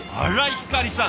ひかりさん